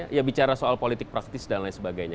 ya bicara soal politik praktis dan lain sebagainya